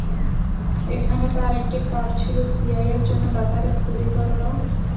এখানে তার একটি কাজ ছিল সিআইএ’র জন্য ডাটাবেজ তৈরি করা।